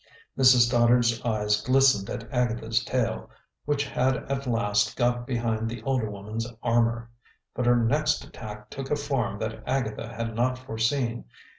Mrs. Stoddard's eyes glistened at Agatha's tale, which had at last got behind the older woman's armor. But her next attack took a form that Agatha had not foreseen.